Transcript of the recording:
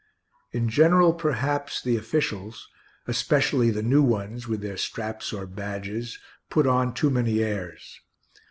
In general, perhaps, the officials especially the new ones, with their straps or badges put on too many airs.